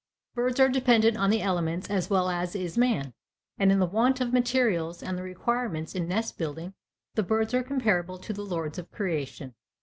Birds are dependent on the elements as well as is man, and in the want of materials and the requirements in nest building the birds are comparable to the lords of creation.